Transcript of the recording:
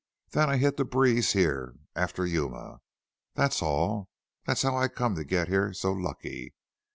Then I hit the breeze here after Yuma. That's all. That's how I come to get here so lucky."